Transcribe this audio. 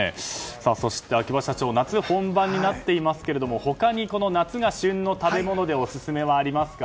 そして秋葉社長、夏本番ですが他に夏が旬の食べ物でオススメはありますか？